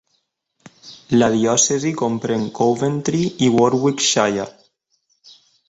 La diòcesi comprèn Coventry i Warwickshire.